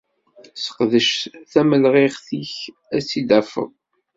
Seqdec tamelɣiɣt-ik ad tt-id-afeḍ!